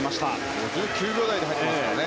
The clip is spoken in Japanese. ５９秒台で入っていますから。